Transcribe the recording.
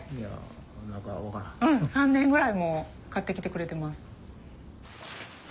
うん３年ぐらいもう買ってきてくれてます。